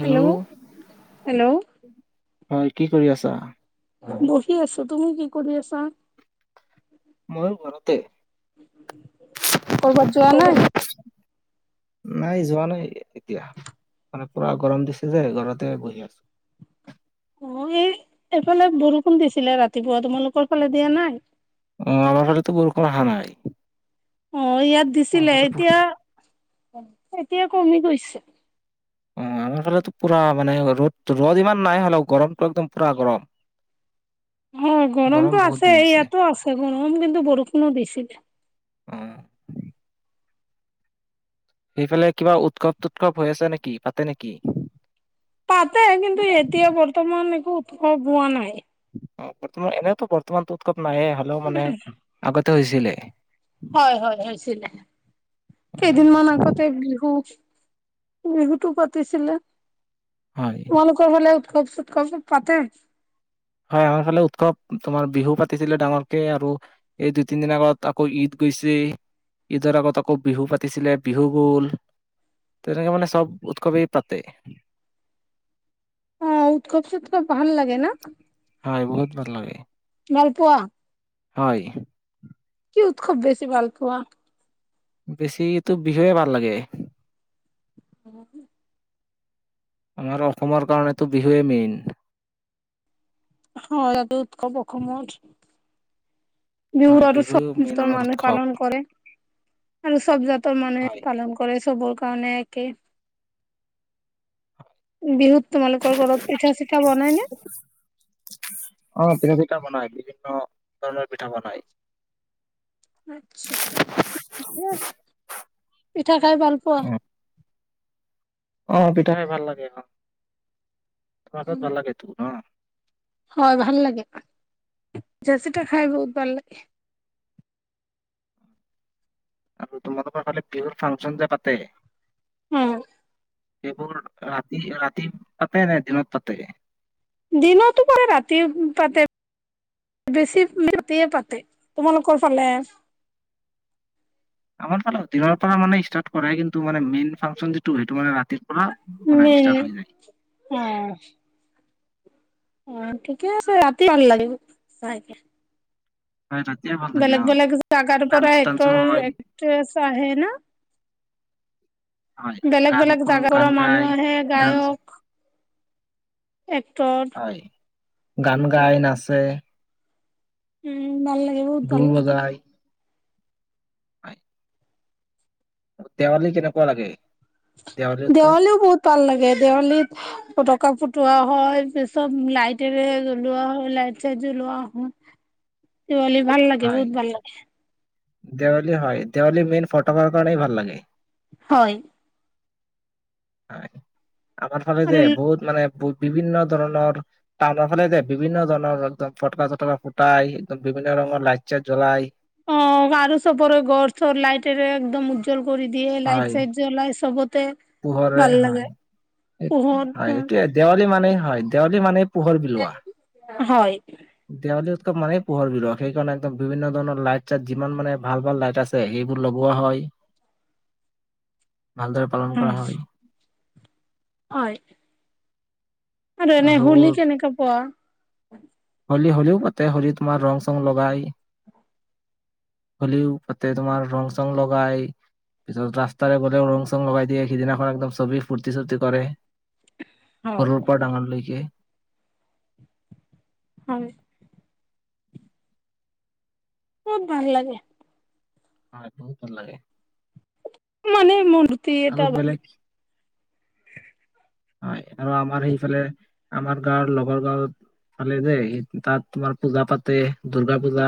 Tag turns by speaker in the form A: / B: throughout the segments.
A: Hello hello.
B: হয়, কি কৰি আছা?
A: বহি আছো, তুমি কি কৰি আছা?
B: মইয়ো ঘৰতে।
A: কৰ'বাত যোৱা নাই।
B: নাই, যোৱা নাই, এতিয়া মানে পুৰা গৰম দিছে যে ঘৰতে বহি আছো।
A: অ', এ এইফালে বৰষুণ দিছিলে ৰাতিপুৱা তোমালোকৰ ফালে দিয়া নাই।
B: অ', আমাৰ ফালেতো বৰষুণ আহা নাই।
A: অ ইয়াত
B: আমাৰ
A: দিছিলে
B: ফালে
A: এতিয়া।
B: বহুত-
A: এতিয়া কমি গৈছে।
B: অ আমাৰ ফালো পুৰা মানে ৰ'দ ৰ'দ ইমান নাই হ'লেও গৰমটো একদম পুৰা গৰম।
A: অ
B: গৰম
A: গৰমতটো
B: বহুত দি
A: আছে
B: দিছে
A: ইয়াতো আছে। গৰম কিন্তু বৰষুণো দিছিলে।
B: অ'। সেইফালে কিবা উৎসৱ টোৎসৱ হৈ আছে নেকি পাতে নেকি।
A: পাতে কিন্তু এতিয়া বৰ্তমান একো উৎসৱ হোৱা নাই।
B: অ বৰ্তমান এনেতো বৰ্তমান তত-তত। নাহে হ'লেও মানে আগত হৈছিলে।
A: হয় হয় হৈছিলে
B: অ
A: কেইদিনমান আগতে বিহু বিহুতটো পাতিছিলে।
B: হয়।
A: তোমালোকৰ হ'লে। উৎসৱ সুৎসৱ পাতে।
B: হয় আমাৰফালে উৎসৱ তোমাৰ বিহু পাতিছিলে ডাঙৰকে আৰু এই দুই তিন দিনৰ আগত আকৌ ঈদ গৈছে ঈদৰ আগত আকৌ বিহু পাতিছিলে বিহু গ'ল তেনেকে মানে চব উৎসৱেই পাতে।
A: অ উৎসৱ সুৎসৱ ভাল লাগে ন।
B: হয় বহুত ভাল লাগে।
A: ভালপোৱা।
B: হয়।
A: কি উৎসৱ বেছি ভাল পোৱা।
B: বেছিটো বিহুয়ে ভাল লাগে।
A: উ।
B: আমাৰ অসমৰ কাৰণেতো বিহুৱেই মেইন।
A: হয় ইয়াত উৎসৱ অখমৰ। বিহু
B: হয়
A: আৰু চব
B: মেইন
A: জাতৰ
B: আমাৰ
A: মানুহে
B: উৎসৱ
A: পালন কৰে আৰু চব জাতৰ মানুহে
B: হয়
A: পালন কৰে চবৰ। পাওঁ নে কি। বিহুত। তোমালোকৰ ঘৰত পিঠা চিঠা বনাই নে?
B: অ পিঠা বনায় বিভিন্ন ধৰণৰ পিঠা বনায়।
A: আত্ছা ঠিক আছে, পিঠা খাই ভালপোৱা?
B: অহ পিঠা খাই ভাল লাগে আহ। [unintelligible] ভাল লাগে টো নহ।
A: হয় ভাল লাগে জাৰ্চিটা খাই বহুত ভাল লাগে।
B: আৰু তোমালোকৰ ফালে বিহুৰ ফাংচন যে পাতে।
A: হম।
B: এইবোৰ ৰাতি-ৰাতি পাতে নে দিনত পাতে।
A: দিনতো পাৰে, ৰাতি পাতে, বেছি ৰাতিয়ে পাতে, তোমালোকৰ ফালে।
B: আমাৰ ফালে দিনৰ পৰা মানে ষ্টাৰ্ট কৰাই কিন্তু মানে মেইন ফাংচন যিটো সেইটো মানে ৰা। পৰা মানে
A: মেইন
B: ইষ্টাৰ্ত হৈ যায়।
A: অ' অ ঠিকে আছে ৰাতি ভাল লাগিব চাই কে।
B: হয় ৰাতিয়ে ভাল লাগে অ
A: বেলেগ বেলেগ জাগাৰ পৰা
B: ডান্স টান্সো
A: এক্টৰ
B: হয়
A: এক্ট্ৰেছ আহে না।
B: হয়
A: বেলেগ
B: গান
A: বেলেগ
B: কওঁ
A: জাগাৰ
B: গান
A: পৰা
B: গাই
A: মানুহ আহে
B: ডান্স
A: গায়ক এক্টৰ
B: হয় গান গাই নাচে।
A: উম। ভাল লাগে বহত ভাল
B: ঢোল
A: লাগে।
B: বজাই হয়। দেৱালী কেনেকুৱা লাগে? দেৱালী উৎসৱ
A: দেৱালীও বহুত ভাল লাগে দেৱালীত ফটকা ফুটোৱা হয় পিছত লাইটৰে জলোৱা হয় লাইট চাইট জলোৱা হয়। দেৱালী ভাল লাগে
B: হয়
A: বহুত ভাল লাগে।
B: দেৱালী হয় দেৱালী মেইন ফটকাৰ কাৰণেই ভাল লাগে।
A: হয়।
B: হয়। আমাৰ ফালে
A: আৰু
B: যে বহুত মানে বিভিন্ন ধৰণৰ টাউনৰ ফালে যে বিভিন্ন ধৰণৰ একদম ফটকা চটকা ফুটাই একদম বিভিন্ন ৰঙৰ লাইট চাইট জলাই
A: অ', আৰু চবৰে ঘৰ চৰ লাইটেৰে একদম উজ্জ্বল কৰি দিয়ে
B: হয়
A: লাইট চাইট জ্বলাই চবত
B: পোহৰে হয়
A: পোহৰ
B: হয় হেইটোয়ে দেৱালী মানে হয় তেওঁযে মানে পোহৰ বিলোৱা
A: হয়
B: মানে পোহৰ বিলোৱা সেইকাৰণে একদম বিভিন্ন ধৰণৰ লাইট চাইট যিমান মানে ভাল ভাল লাইট আছে সেইবোৰ লগোৱা হয়। ভালদৰে পালন কৰা
A: উম।
B: হয়
A: হয়। আৰু এনেই হলী কেনেকা পোৱা?
B: হলী হলীও পাতে হলীত তোমাৰ ৰং চং লগাই হলীও পাতে তোমাৰ ৰং চং লগাই পিছত ৰাস্তাৰে গ'লেও ৰং চং চং লগাইিয়ে সিদিনাখন একদম চবেই ফূৰ্তি চূৰ্তি কৰে।
A: [unintelligible]
B: [unintelligible]
A: হয়। খুব ভাল লাগে।
B: হয় বহুত ভাল লাগে
A: মানে মন
B: আৰু বেলেগ
A: [unintelligible]
B: হয় আৰু আমাৰ এইফালে আমাৰ গাঁৱ লগৰ গাৱত ফালে যে তাত তোমাৰ পূজা পাতে দূৰ্গা পূজা।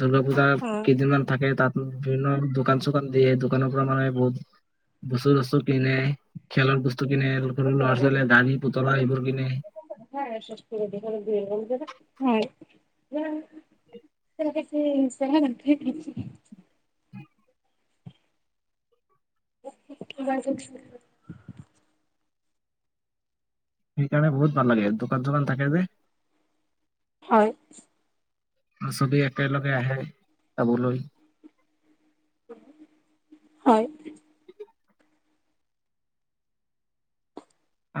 B: দূৰ্গা পূজা
A: হয়।
B: কেইদিনমান থাকে তাত বিভিন্ন দোকান চোকান দিয়ে, দোকানৰ পৰা মানুহে বহুত বস্তু চস্তু কিনে। খেলাৰ বস্ এইবোৰ কিনে
A: [unintelligible] [unintelligible] [unintelligible] [unintelligible]
B: সেইকাৰণে বহুত ভাল লাগে, দোকান চোকান থাকে যে।
A: হয়।
B: চবে একেলগে আহে, চাবলৈ।
A: হয়।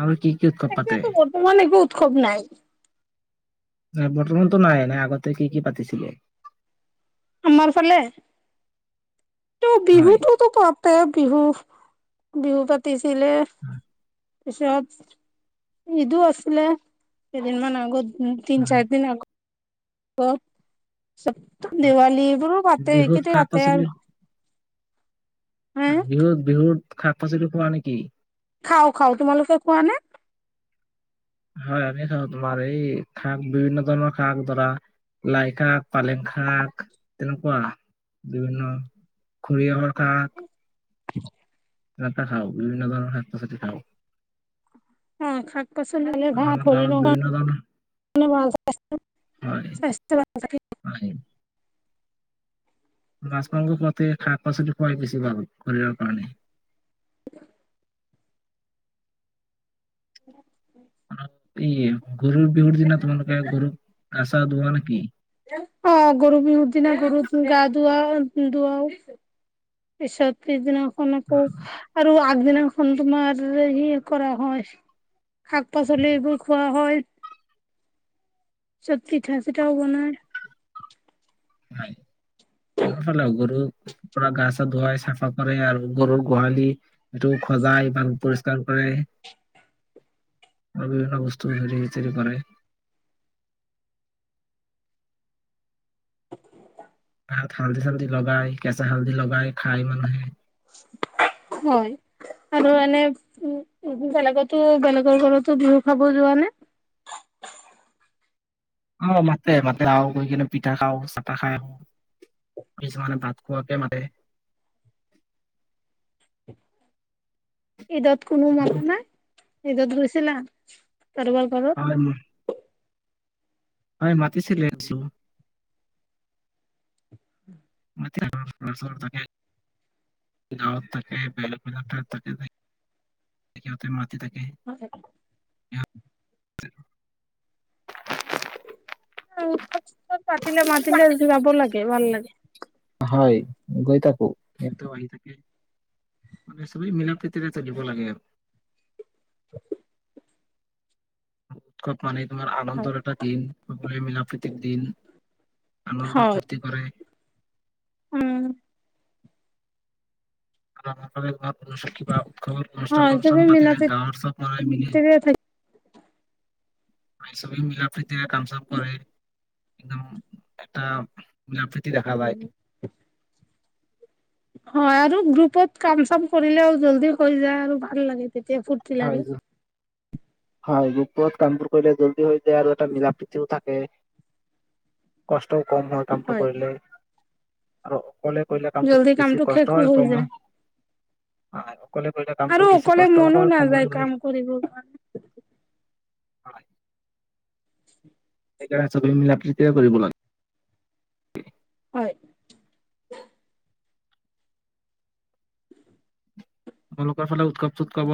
B: আৰু কি? কি উৎসৱ পাতে
A: এতিয়াতো বৰ্তমান একো উৎসৱ নাই।
B: ন' বৰ্তমানতো নাই, নাই আগতে কি কি পাতিছিলে?
A: আমাৰ ফালে? টো
B: হয়
A: বিহুতটোতো পাতে বিহু বিহু পাতিছিলে। পিছত ঈদো আছিলে কেইদিনমান আগত উম, তিন
B: হয়।
A: চাৰ দিন আগ প চব দেৱালী এইবোৰো পাতে
B: বিহুত
A: এইকেইটা
B: শাক
A: পাতে
B: পাচলি
A: আৰু। হে
B: বিহুত বিহুত শাক পাচলি পোৱা নেকি?
A: খাওঁ, খাওঁ তোমালোকে খোৱা নে?
B: হয় আমি খাওঁ তোমাৰ এই শাক বিভিন্ন ধৰণৰ শাক ধৰা লাই শাক পালেং শাক তেনেকুৱা বিভিন্ন সৰিয়হৰ শাক
A: [inaudible]
B: তেনেটা [unintelligible] খাওঁ বিভিন্ন ধৰণৰ শাক-পাচলি খাওঁ।
A: অ', খাত পচন্দাল ভ
B: আৰু আমাৰ
A: খৰি ন
B: গাঁৱত বিভিন্ন ধৰণৰ
A: [unintelligible] [unintelligible] [unintelligible]
B: হয়
A: স্বাস্থ্য থাক [unintelligible]
B: মাছ-মাংস খোৱাতকে শাক-পাচলি খোৱাই বেছি ভাল, শৰীৰৰ কাৰণে।
A: [unintelligible]
B: ই গৰুৰ বিহুৰ দিনা তোমালোকে গৰুক গা চা ধুৱা নেকি?
A: অ', গৰু বিহুৰ দিনা গৰু গা ধৱা ধুৱাওঁ। পিছৰ দিনা। [unintelligible] আৰু আগ সিদিনাখন তোমাৰ সেয়কৰা হয় শাক পাচলি এইবোৰ খোৱা হয়, চব পিঠা চিঠাও বনাই।
B: হয় আমাৰ ফালেও গৰুৰ পৰা গা চা ধুৱাই, চাফা কৰে আৰু গৰুৰ গোহালি সেইটো খজাই বা পৰিষ্কাৰ কৰে আৰু বিভিন্ন বস্তু হেৰি চেৰী কৰে। ভাত, হালধি চালধি লগাই কেঁচা হালধি লগাই খায় মানুহে।
A: হয় আৰু এনে উ বেলেগতো বেলেগৰ ঘৰতো বিহু খাব যোৱা নে।
B: অ', মাতে মাতে অ', গৈ কিনে পিঠা খাওঁ চাহা খাই অ', কিছুমানে ভাত খোৱাকে মাতে।
A: [inaudible] ঈদত কোনো মাতা নাই? ঈদত গৈছিলা?
B: হয় ম
A: [unintelligible]
B: হয়, মাতিছিলে গৈছো। [unintelligible] সিহঁতে মাতি থাকে।
A: অ। উৎসৱ সুতসব পাতিলে, মাতিলে যাব লাগে ভাল লাগে।
B: হয় গৈ থাকো সিহঁতেও আহি থাকে মানে চবেই মিলা প্ৰীতিৰে চলিব লাগে আৰু। [unintelligible] তোমাৰ
A: হয়
B: আনন্দৰ এটা দিন সকলোৱে মিলা প্ৰীতিৰ দিন আনন্দ
A: হয়
B: ফূৰ্তি কৰে।
A: উম।
B: [unintelligible] কিবা উৎসৱৰ অনুষ্ঠান
A: হয় চবে
B: প্ৰষ্ঠান
A: মিলা
B: পাতিলে গাঁৱৰ চব লৰাই মিলি
A: প্ৰীতিৰে
B: সবেই মিলা প্ৰীতিৰে কাম চাম কৰে। একদম এটা মিলা প্ৰীতি দেখা
A: থাকে
B: যায়।
A: হয়, আৰু গ্ৰুপত কাম চাম কৰিলেও জল্দি হৈ যায় আৰু ভাল লাগে। তেতিয়া ফূৰ্তি
B: হয়
A: লাগে।
B: হয়, গ্ৰুপত কামবোৰ কৰিলে জল্দি হয় আৰু এটা মিলা প্ৰীতিও থাকে। কষ্টও কম হয় কামটো কৰিলে। আৰু অক'লে কৰিলে কামটো
A: জল্দি
B: বেছি কষ্ট
A: শেষো
B: হয়,
A: হৈ
B: অকনমান।
A: যায়
B: [unintelligible]
A: আৰু অকলে মনো নাযায়
B: হয়
A: কাম কৰিব কাৰণে।
B: হয়। সেইকাৰণে চবেই মিলা প্ৰীতিৰে কৰিব লাগে।
A: হয়।
B: তেওঁলোকৰ ফালে উৎকত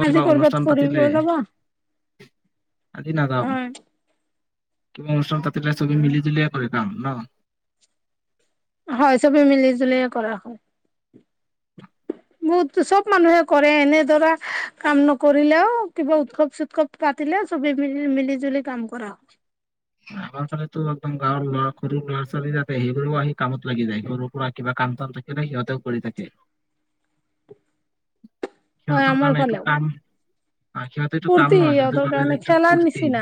A: আজি ক'ৰবাত ফুৰিব যাবা?
B: [inaudible] আজি নাযাওঁ।
A: হয়
B: কিবা অনুষ্ঠান তাত। তেতিয়া চবে মিলিজুলিয়ে কৰিব। কাম ন?
A: হয়, চবেই মিলিজুলিয়ে কৰা হয়। বহুতো চব মানুহে কৰে এনে ধৰা, কাম নকৰিলেও কিবা উৎসৱ- চুৎসৱ পাতিলে চবেই মিলি মিলি-জুলি কাম কৰা হয়।
B: আমাৰ ফালেতো একদম গাঁৱৰ ল'ৰা সৰু ল'ৰা ছোৱালী তাতে হেৰি কৰিব আহি কামত লাগি যায়, সৰু সুৰা কিবা কামচাম থাকিলে সিহঁতেও, কৰি থাকে।
A: হয়,
B: সিহঁতৰ
A: আমাৰ
B: কামে এইটো
A: ফালেও
B: কাম। অ', সিহঁতে এইটো কাম
A: ফূৰ্তি
B: নহয়, সিহঁতে
A: সিহঁতৰ
B: ভাবে
A: কাৰণে
B: এইটো
A: খেলাৰ
B: ফূৰ্তি।
A: নিচিনা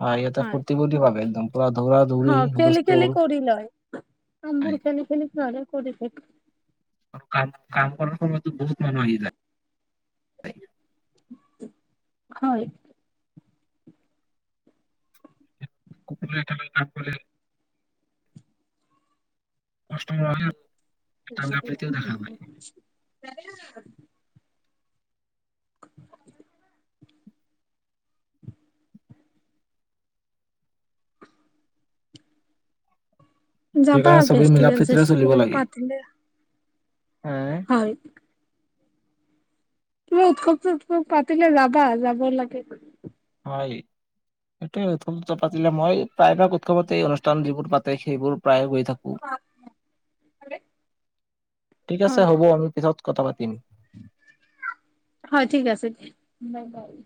B: হয় সিহঁতে ফূৰ্তি বুলি ভাবে একদম। পুৰা দৌৰা
A: হ,
B: দৌৰি
A: খেলি খেলি
B: হুলস্থুল
A: কৰি লয়, কামবোৰ
B: হয়,
A: খেলি খেলি কৰি থাকে।
B: আৰু কাম কাম কৰাৰ সময়তো। বহুত মানুহ আহি যায়।
A: হয়।
B: [unintelligible] কাষ্টমাৰ আহিল?
A: [unintelligible] [inaudible] যাবা
B: সেইকাৰণে চবেই মিলা
A: ফেষ্টিভেল
B: প্ৰীতিৰে চলিব
A: চেষ্টিভেল
B: লাগে
A: পাতিলে, হয়। তুমি উৎসৱ চুৎসৱ পাতিলে যাবা, যাব লাগে।
B: হয়, এইটোৱে উৎসৱ চুৎসৱ পাতিলে মই প্ৰায়ভাগ উৎসৱতেই অনুষ্ঠান যিবোৰ পাতে সেইবোৰ প্ৰায়ে গৈ থাকো। ঠিক
A: হয়
B: আছে, হ'ব আমি পিছত কথা পাতিম।
A: হয়, ঠিক আছে। মবাইল